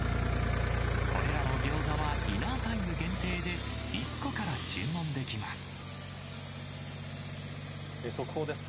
これらのギョーザはディナータイム限定で、１個から注文でき速報です。